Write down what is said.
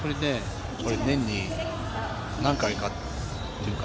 年に何回かというか、